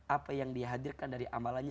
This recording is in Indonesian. apa yang dihadirkan dari amalannya